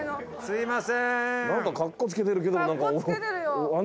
すいませーん。